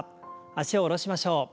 脚を下ろしましょう。